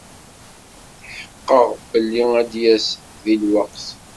Tḥeqqeɣ belli ad d-yas deg lweqt.